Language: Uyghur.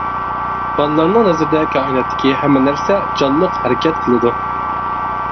بالىلارنىڭ نەزىرىدە كائىناتتىكى ھەممە نەرسە جانلىق-ھەرىكەت قىلىدۇ.